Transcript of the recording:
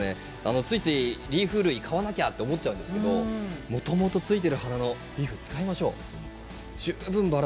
ついついリーフ類を買わなきゃと思ってしまうんですがもともとついている花のリーフを使いましょう。